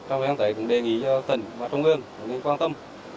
trong thời gian tới cũng đề nghị cho tỉnh và trung ương quan tâm